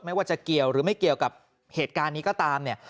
ไม่ว่าจะเกี่ยวหรือไม่เกี่ยวกับเหตุการณ์นี้ก็ตามเนี่ย